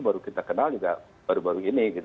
baru kita kenal juga baru baru ini gitu